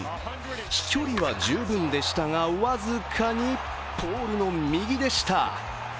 飛距離は十分でしたが僅かにポールの右でした。